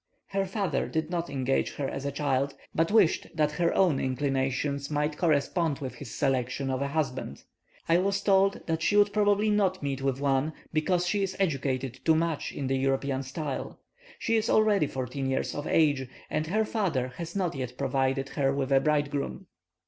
Her father did not engage her as a child, but wished that her own inclinations might correspond with his selection of a husband. I was told that she would probably not meet with one, because she is educated too much in the European style; she is already fourteen years of age, and her father has not yet provided her with a bridegroom.